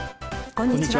こんにちは。